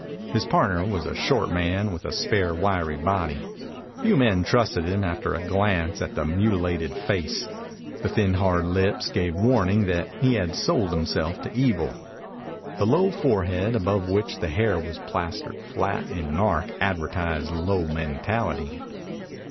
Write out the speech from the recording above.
His partner was a short man with a spare, wiry body. Few men trusted him after a glance at the mutilated face. The thin, hard lips gave warning that he had sold himself to evil. The low forehead, above which the hair was plastered flat in an arc, advertised low mentality.